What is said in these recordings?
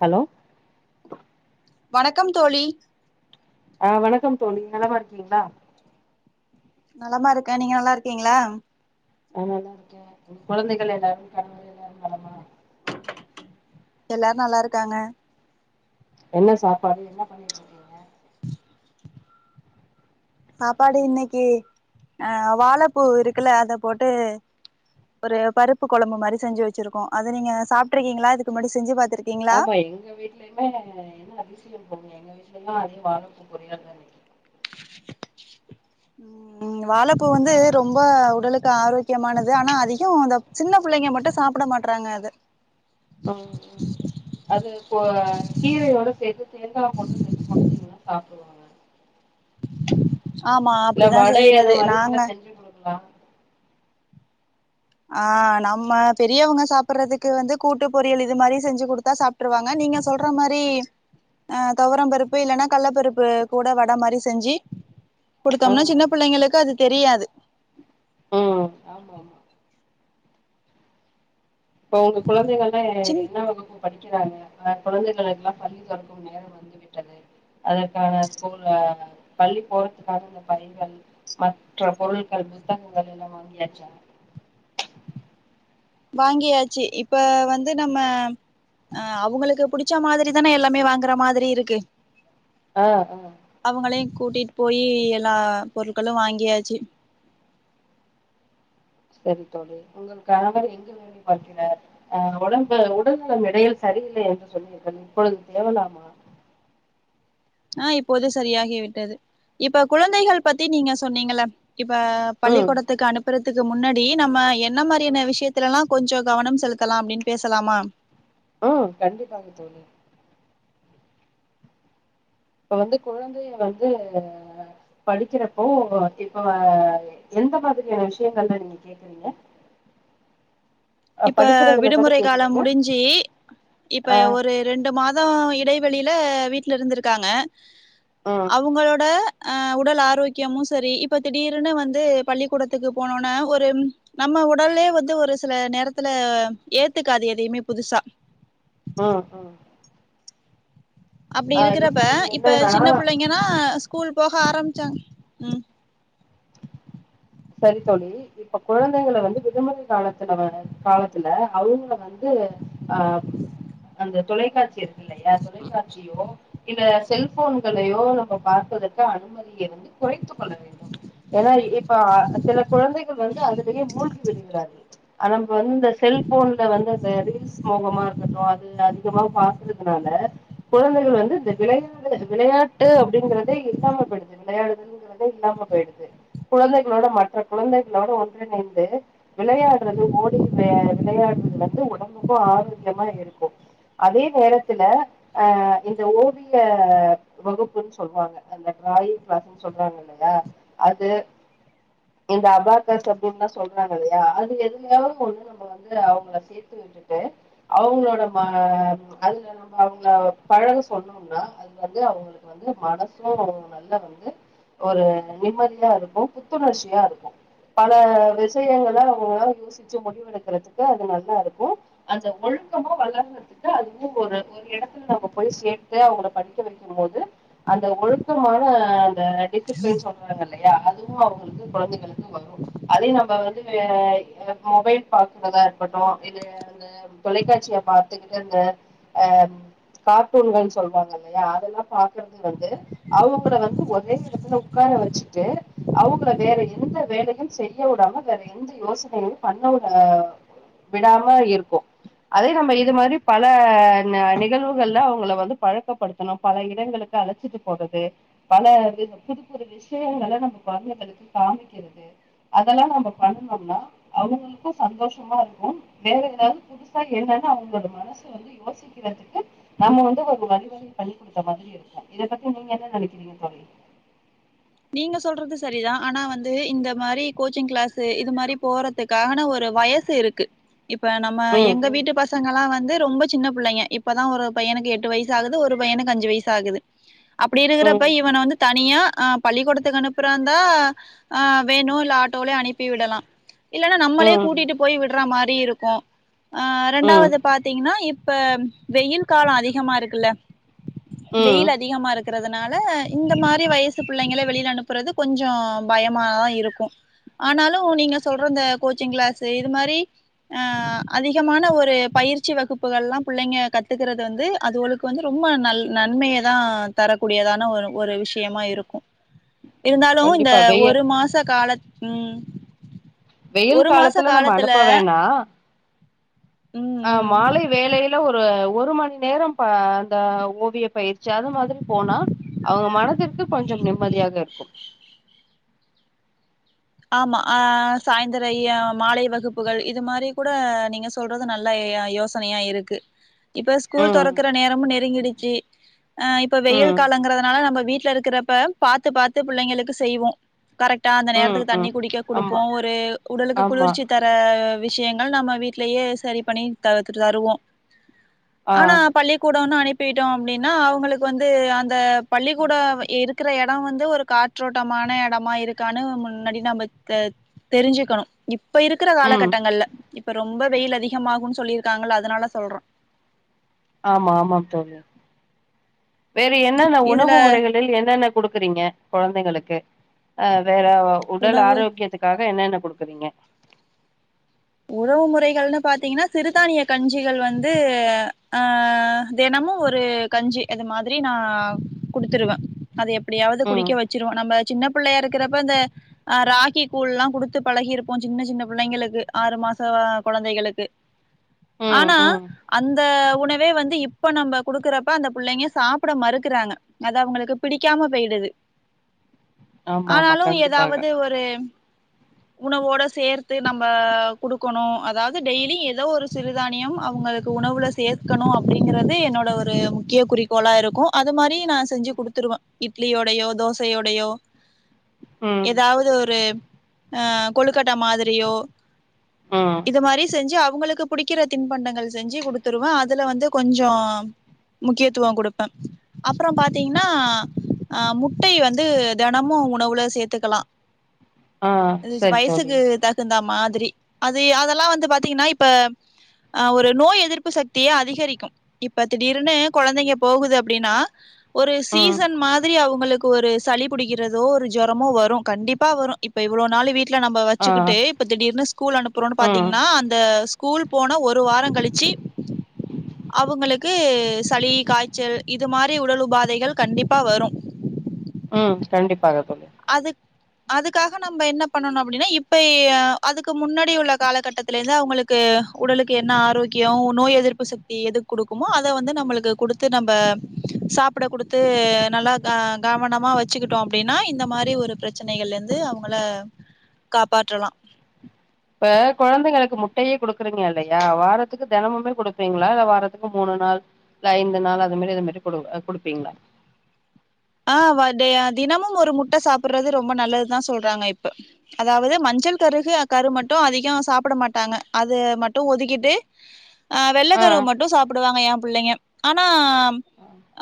hello வணக்கம் தோழி ஆஹ் வணக்கம் தோழி நலமா இருக்கீங்களா நலமா இருக்கே நீங்க நல்லா இருக்கீங்களா ஆ நல்லா இருக்கே குழந்தைகள் எல்லாரு கணவரு எல்லாரு நலமா எல்லாரு நல்லா இருக்காங்க என்ன சாப்பாடு என்ன பண்ணிவச்சிருக்கீங்க சாப்பாடு இன்னைக்கி அஹ் வாழைப்பூ இருக்குல அத போட்டு ஒரு பருப்பு கொழம்பு மாரி செஞ்சு வெச்சிருக்கோ அத நீங்க சாப்பிட்டுருக்கீங்களா இதுக்கு முன்னாடி செஞ்சு பாத்து ஆமா எங்க வீட்லயுமே என்ன அதிசியம் போ எங்க வீட்டுல எல்லா அதிக வாழைப்பூ பொரியலாதா வெக்கி உம் வாழைப்பூ வந்து ரொம்ப உடலுக்கு ஆரோக்கியமானது ஆனா அதிக அந்த சின்ன புள்ளைங்க மட்டும் சாப்பிட மாட்டறாங்க அது ஹம்ம் அது போ கீரையோட சேத்து தேங்கா போட்டு சேத்து குடுத்தீங்கா சாப்பட்டு [unintelligible] ஆமா இல்ல அப்டிதா வடை அது செய்யறது மாரி கூட நாங்க செஞ்சு குடுக்கலா ஆஹ் நம்ம பெரியவங்க சாப்பிடுறதுக்கு வந்து கூட்டு பொரியல் இது மாதிரி செஞ்சு குடுத்தா சாப்பிட்டுருவாங்க நீங்க சொல்ற மாரி அஹ் துவரம் பருப்பு இல்லைன்னா கள்ளப்பருப்பு கூட வடை மாரி செஞ்சு ஆ குடுத்தோம்னா சின்ன புள்ளைங்களுக்கு அது தெரியாது உம் ஆமா ஆமா இப்ப உங்க குழந்தைகள் எல்லா சின் என்ன வகுப்பு படி டிக்கிறாங்க ஆஹ் குழந்தைகளுக்கெல்லாம் பள்ளி தொறக்கும் நேரம் வந்து விட்டது அதற்கான ஸ்கூல் ஹ் பள்ளி போறதுக்கான பையிகள் மற்ற பொருட்கள் புத்தகங்கள் எல்லா வாங்கியாச்சா வாங்கியாச்சு இப்ப வந்து நம்ம அஹ் அவங்களுக்கு புடிச்ச மாதிரி தானே எல்லாமே வாங்குற மாதிரி இருக்கு அஹ் அஹ் அவங்களையு கூட்டிட்டு போயி எல்லா பொருட்களும் வாங்கியாச்சு சரி தோழி உங்க கணவர் எங்க வேலை பார்க்கிறார் அஹ் உடம்பு உடல்நலம் இடையில் சரியில்லை என்று சொன்னீர்கள் இப்பொழுது தேவலாமா அஹ் இப்போது சரியாகி விட்டது இப்ப குழந்தைகள் பத்தி நீங்க சொன்னீங்கள்ள இப்ப ம் பள்ளிக்கூடத்துக்கு அனுப்புற துக்கு முன்னாடி நம்ம எ என்ன ம் மாரியான விஷயத்தலல்லாம் கொஞ்சோ கவனம் செலுத்தலாம் அப்டின்னு பேசலாமா ஆஹ் கண்டிப்பாக தோழி இப்ப வந்து குழந்தைய வந்து படிக்கிறப்போ இப்ப எந்த மாதிரியான விஷயங்கள்லா நீங்க கேக்குறீங்க அ இப்ப படிக்கிறதுல தான விடுமுறை காலம் கேக்குறீங்க முடிஞ்சு இப்ப ஆ ஒரு ரெண்டு மாதோ இடைவெளி ல வீட்ல இருந்திருக்காங்க ம் அவுங்களோட ஆஹ் உடல் ஆரோக்கியமு சரி இப்ப திடீர்னு வந்து பள்ளிக்கூடத்துக்கு போனோன ஒரு நம்ம உடல்லே வந்து ஒரு சில நேரத் த்துல ஏத்துக்காது எதையுமே புதுசா ஆஹ் ஆஹ் அப்டி இருக்குறப்ப நீங்க இப்ப என்னன்னா சின்ன புள்ளைங்கன்னா ஸ்கூல் போக ஆரம்ச்சாங்க உம் சரி தோழி இப்ப குழந்தைங்கள வந்து விடுமுறை காலத்துல வர காலத்துல அவங்கள வந்து வந்து ஆஹ் அந்த தொலைக்காட்சிய இல்லயா தொலைக்காட்சியோ இந்த செல்போன்களையோ நம்ம பார்ப்பதற்கு அனுமதிய வந்து குறைத்து கொள்ள வேண்டும் ஏன்னா இப்ப சில குழந்தைகள் வந்து அதுலயே மூழ்கி விடுகிறார்கள் ஆ நம்ம வந்து இந்த செல்போன்ல வந்து அந்த ரீல்ஸ் மோகமா இருக்கட்டு அது அதிகமா பாக்குறதுனால குழந்தைகள் வந்து இந்த விளையாடு விளையாட்டு அப்டிங்கிறதே இல்லாம போயிடுது விளையாடுதுங்றதே இல்லாம போயிடுது குழந்தைகளோட மற்ற குழந்தைகளோட ஒன்றிணைந்து விளையாடுறது ஓடி விளையாடுறது வந்து உடம்புக்கும் ஆரோக்கியமா இருக்கும் அதே நேரத்துல ஆஹ் இந்த ஓவிய வகுப்புன்னு சொல்லுவாங்க அந்த டிராயிங் கிளாஸ்ன்னு சொல்றாங்க இல்லையா அது இந்த அபாகஸ் அப்டின்லா சொல்றாங்க இல்லையா அது எதுலையாவது ஒன்னு வந்து நம்ம வந்து அவுங்கள சேத்து விட்டுட்டு அவுங்ளோட ம அதுல நம்ம அவுங்கள பழக சொன்னோம்னா அது வந்து அவுங்களுக்கு வந்து மனசும் நல்ல வந்து ஒரு நிம்மதியா இருக்கும் புத்துணர்ச்சியா இருக்கும் பல விஷயங்கள அவுங்களால யோசிச்சு முடிவெடுக்கறதுக்கு அது நல்லாருக்கும் அந்த ஒழுக்கமா வளர்றதுக்கு அதுவும் ஒரு ஒரு இடத்துல நம்ம போய் சேத்து அவுங்கள படிக்க வைக்கும் போது அந்த ஒழுக்கமான அந்த எக்கு பே சொல்றாங்கள் ல்லயா அந் இதுவும் அவுங்களுக்கு கொழந்தைகளுக்கு வரும் அதே நம்ம வந்து வே மொபைல் பாக்குறதா இருக்கட்டு இது அந்த தொலைக்காட்சிய பாத்துக்கிட்டு அந்த அஹ் கார்ட்டூன்கள்னு சொல்லுவாங்க இல்லையா அதெல்லாம் பாக்குறது வந்து அவுங்கள வந்து ஒரே இடத்துல உட்கார வச்சுட்டு அவுங்கள வேற எந்த வேலையும் செய்ய விடாம வேற எந்த யோசனையும் பண்ண விட விடாம இருக்கும் அதே நம்ம இது மாதிரி பல நிகழ்வுகள்ல அவுங்கள வந்து பழக்கப்படுத்தணும் பல இடங்களுக்கு அழைச்சிட்டு போறது பல வி புது புது விஷயங்கல நம்ம வர்ண படுத்தி காமிக்கிறது அதெல்லாம் நம்ம பண்ணுனம்னா அவுங்களுக்கும் சந்தோஷமா இருக்கும் வேற ஏதாவது புதுசா என்னன்னு அவுங்களோட மனசு வந்து யோசிக்கிறதுக்கு நம்ம வந்து ஒரு ஒரு வழிவகை பண்ணி குடுத்த மாதிரி இருக்கும் இதப் பத்தி நீங்க என்ன நெனைக்கிறீங்க தோழி நீங்க சொல்றது சரிதான் ஆனா வந்து இந்த மாரி கோச்சிங் கிளாஸ்ஸு இது மாரி போறதுக்காகான ஒரு வயசு இருக்கு இப்ப நம்ம ம் எங்க ம் வீட்டு பசங்கல்லா வந்து ரொம்ப சின்ன புள்ளைங்க இப்பதா ஒரு பையனுக்கு எட்டு வயசு ஆகுது ஒரு பையனுக்கு அஞ்சு வயசு ஆகுது அப்டி இருக்குறப்ப இவன வந்து த நியா அப் பள்ளிக்கொடத்துக்கு அனுப்புறாந்தா ஆ வேணு இல்ல ஆட்டோலயே அனுப்பி விடலா இல்லனா நம்மளே ம் கூட்டிட்டு போய் விட்றா மாரி இருக் க்க ஆ ம் ம் ரெண்டாவது பாத்தீங்னா இப் இப்ப வெயில் காலொ அதிகமா இருக்குல்ல ம் வெயில் அதிகமா இருக் றதுனால இந்த மாரி வயசு புள்ளைங்கள வெளியில அனுப்புறது கொஞ்சொ பயமாதா இருக்கு ஆனாலு நீங்க சொல்ற இந்த கோச்சிங் கிளாஸ் இது மாரி ஆஹ அதிகமான ஒரு பயிற்சி வகுப்புகள்லா புள்ளைங்க கத்துக்கிறது வந்து அதுகளுக்கு வந்து ரொம்ப ந நன்மைய தா தரக்கூடியதா ஒரு ஒரு விஷயமா இருக்கு இருந்தாலு இந்த கண்டிப்பா வெயில் ஒரு மாச காலத் ம் வெயில் ஒரு மாச காலத்துல நம்ம அனுப்ப வேணா ம் அஹ் ம் மாலை வேலைல ஒரு ஒரு மணி நேரம் ப அந்த ஓவிய பயிற்சி அது மாதிரி போனா அவுங்க மனதிற்கு கொஞ்சம் நிம்மதியா இருக்கு ஆமா ஆஹ் சாயந்திர மாலை வகுப்புகள் இது மாரி கூட நீங்க சொல்றது நல்ல யோசனையா இருக்கு இப்ப ஸ்கூல் ம் தொறக்கற நேரமு நெருங்கிடுச்சு அஹ் இப்ப வெயில் ம் காலங்கறதுனால நம்ப வீட் ட்ல இருக்றப்ப பாத்து பாத்து பிள்ளைங்களுக்கு செய்வோ கரெக்டா அந்த நேர ம் தண்ணி ம் குடிக்க குடுப்போ ஆமா ஒரு உடலுக்கு ஆமா குளிர்ச்சி தர அ விஷயங்கள் நம்ம வீட்லயே சரி பண்ணி தவர்த்துட்டு தருவோ ஆ ஆனா பள்ளிக்கூடன்னு அனுப் பிட்டோ அப்டின்னா அவங்களுக்கு வந்து அந்த பள்ளிக்கூட இருக்குற எட வந்து ஒரு காற்றோட்டமான எடமா இருக்கானு முன் னாடி நம்ம தெரிஞ்சுக்கணு இ இப்ப இருக்குற ம் காலகட்டங்கள்ல இப்ப ரொம்ப வெயில் அதிகமாகுன் சொல்லி ருக்காங்கல அதனால சொல்ற ஆமா ஆமாம் தோழி வேற என்னென்ன இதுல உணவு முறைகளில் என்னென்ன குடுக்குறீங்க கொழந்தைகளுக்கு அ வே ஆ உடல் உணவு ஆரோக்கியத்துக்காக என்னன்ன குடுக்குறீங்க உறவு முறைகள்னு பாத்திங்கனா சிறுதானிய கஞ்சிகள் வந்து ஆ தெனமு ஒரு கஞ்சி அது மாதிரி நா குடுத்துருவ அது எப்டியாவது ம் குடிக்க வெச்சிருவ நம்ம சின்ன புள்ளையா இருக்கிறப்ப இந்த ஆஸராகி கூழ்லா குடுத்து பழகிருப்போ சின்ன சின்ன பிள்ளைங்களுக்கு ஆறு மாச வ கொழந்தைகளுக்கு ம் ஆனா ம் அந்த உணவே வந்து இப்ப நம்ம குடுக்குறப்ப அந்த புள்ளைங்க சாப்ட மறுக்குறாங்க அது அவங்களுக்கு பிடிக்காம போய்டுது ஆமா ஆமா ஆனாலு கண்டிப்பாக எதாவது ஒரு உணவோட சேர்த்து நம்ப குடுக்கணு அதாவது டெய்லியு எதோ ஒரு சிறுதானியம் அவங்களுக்கு உணவுல சேர்க்கணு அப்டிங்கறது என்னோட ஒரு முக்கிய குறிக்கோளா இருக்கு அதுமாரி நா செஞ்சு குடுத்துருவ இட்லியோடையோ தோசயோடையோ ம் ஏதாவ்து ஒரு அஆ கொழுக்கட்ட மாத்ரியோ ம் இத மாதிரி செஞ்சு அவ் உங்களுக்கு பிடிக்கிற தின்பண்டங்கள் செஞ்சு குடுத்துருவே அதுல வந்து கொஞ்சோ முக்கியத்துவோ குடுப்பே அப்றோ பாத்தீங்னா அ முட்டை வந்து தினமூ உணவுல சேர்த்துக்கலா ஆ இஜ் சரி தோழி வயசுக்கு தகுந்தாம் மாதிரி அது அதெல்லா வந்து பாத்தீங்னா இப்ப ஆ ஒரு நோய் எதிர்ப்பு சக்திய அதிகரிக்கூ இப்ப திடீர்னு கொழந்தைங்க போகுது அப்டின்னா ஒரு ம் சீசன் மாதிரி அவுங்ளுக் கு ஒரு சளி புடிக்கிறதோ ஒரு ஜொரமோ வரூ கண்டிப்பா வரூ இப்ப இவ்ளோ நாள் வீட்டுக் ள நம்ம ஆ வச்சுக்கிட்டு இப்ப திடீர்னு ஸ் ஸ்கூல் அனுப்புறோனு ம் பாத்தீங்னா அந்த ஸ்கூல் போன ஒரு வாரோ கழிச்சு அவுங்களுக் க்கு சளி காய்ச்சல் இது மாரி உடல் உபாதைகள் கண்டிப்பா வரூ தாக தோழி அதுக்காக நம்ப என்ன பண்ணணூ அப்டின்னா இப்பய் அதுக்கு முன்னாடி உள்ள காலகட்டத்துலேந்து அவுங்களுக்கு உடலுக்கு என்ன ஆரோக்கியோ நோய் எதிர்ப்பு சக்தி எது குடுக்குமோ அத வந்து நம்மளுக்கு குடுத்து நம்ம சாப்பிட குடுத்து நல்லா க கவனமா வச்சுக்கிட்டோ அப்டின்னா இந்த மாரி ஒரு பிரச்சனைகள்லேந்து அவுங்கள காப்பாற்றலா ப குழந்தைங்களுக்கு முட்டையே குடுக்குறீங்க இல்லையா வாரத்துக்கு தினமுமே குடுப்பீங்களா இல்ல வாரத்துக்கு மூணு நாள் இல்ல ஐந்து நாள் அது மாரி இது மாரி குடு குடுப்பீங்களா ஆ வ டே தினமும் ஒரு முட்ட சாப்பிடுறது ரொம்ப நல்லதுதா சொல்றாங்க இப்ப அதாவ்து மஞ்சள் கருகு கரு மட்டூ அதிகோ சாப்பிட மாட்டாங்க அது மட்டூ ஒதுக்கிட்டு ஆ வெள்ளக்கருவு மட்டூ சாப்பிடுவாங்க ஏம்ப் பிள்ளைங்க ஆனா ஆம்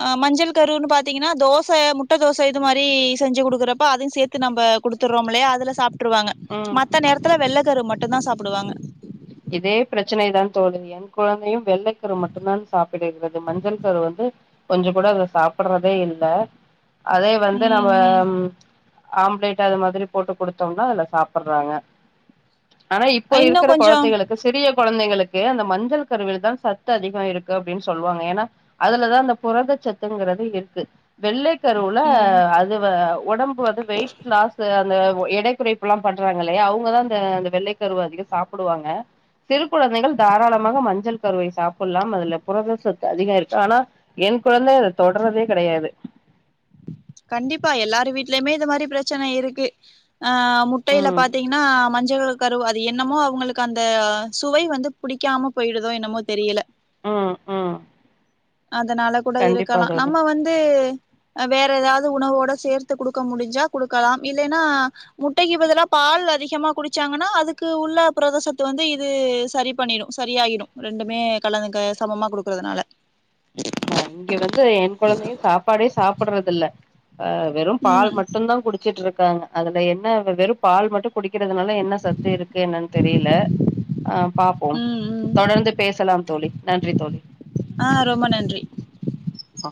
அ மஞ்சள் கருனு பாத்தீங்கன்னா தோ ச முட்ட தோச இது மாரி செஞ்சு குடுக்குறப்போ அதையூ சேத்து நம்ப குடுத்துறோமில்லையா அதுவ சாப் ட்ருவாங்க ம் மத்த நேரத்துல வெள்ள கரு மட் டுந்தா சாப்டுவாங்க இதே பரச்சனைதா தோழி எங்கொழந்தையூ வெள்ளை கரு மட்டுந்தான் சாப்பிடுகிறது மஞ்சள் கரு வந்து கொஞ்ச கூட அவ சாப்பிட்றதே இல்ல அதே வந்து ம் ம் நம்மம் ஆம்லேட் அது மாத்ரி போட்டு குடுத்தோம்னா அதுல சாப்பிடுறாங்க ஆனா இப்போ இன்னு இருக் கொஞ்சோ குழந்தைகளுக்குச் சிறிய குழந்தைகளுக்கு அந்த மஞ்சள் கருவில் தான் சத்து அதிகம் இருக்கு அப்டின்னு சொல்வாங்க ஏன்னா அதுலதா அந்த புரத சத்துங்கறது இருக்கு வெள்ளை கருவுல ம் அது வே வ் உடம்பு வந்து வெயிட் லாஸ் அந்த எடை குறைப்புலாம் பண்றாங்கல்லையா அவங்கதா அந்த வெள்ளை கருவ அதிக சாப்ப டுவாங்க சிறு குழந்தைகள் தாராளமாக மஞ்சள் கருவை சாப்பிடலாம் அதுல புரத சொத்து அதிகம் இருக்கு ஆனா என் குழந்தை அதை தொடர்றதே கிடையாது கண்டிப்பா எல்லாரு வீட்லேயுமே இந்த மாதிரி பிரச்சனை இருக்கு ஆஹ் முட்டையில ம் பாத்தீங்கன்னா மஞ்சள் கரு அது என்னமோ அவங்களுக்கு அந்த சுவை வந்து புடிக்காம போயிடுதோ என்னமோ தெரியல ம் ம் அதனால கூட கண்டிப்பா இருக்கலாம் தோழி நம்ம வந்து [unintelligible] வேற ஏதாவது உணவோட சேர்த்து குடுக்க முடிஞ்சா குடுக்கலாம் இல்லைன்னா முட்டைக்கு பதல்லா பால் அதிகமா குடிச்சாங்கன்னா அதுக்கு உள்ள பிரதசத்து வந்து இது சரி பண்ணிடு சரியாகிடும் ரெண்டுமே கலந்து சமமா குடுக்கறதுனால ஆமா இங்க வந்து என் குழந்தையும் சாப்பாடே சாப்பிடுறது இல்ல ஆஹ் வெறும் பால் ம் மட்டும்தா குடிச்சிட்டு இருக் இருக்காங்க அதுல என்ன வெறும் பால் மட்டும் குடிக் இருக்கிறதுனால என்ன சத்து இருக்கு என்னன்னு தெரியல அஹ் பாப்போம் ம் ம் தொடர்ந்து பேசலாம் தோழி நன்றி தோழி ஆ ரொம்ப நன்றி ஆ